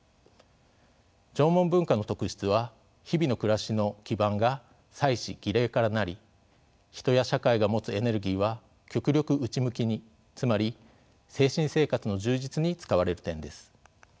縄文文化の特質は日々の暮らしの基盤が祭祀・儀礼からなり人や社会が持つエネルギーは極力内向きにつまり精神生活の充実に使われる点です。